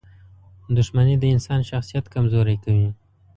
• دښمني د انسان شخصیت کمزوری کوي.